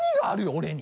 俺に。